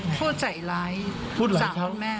พูดใส่ล้ายสามคนแม่